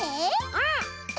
うん！